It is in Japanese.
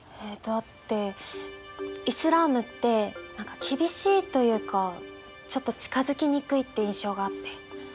だってイスラームって何か厳しいというかちょっと近づきにくいって印象があって。